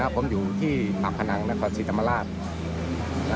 ผมอยู่ที่ปากพนังนครศรีธรรมราช